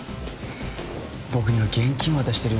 僕には現金渡してるようにしか